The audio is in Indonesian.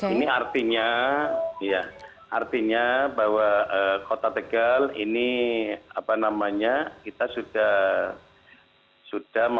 ini artinya bahwa kota tegal ini apa namanya kita sudah sudah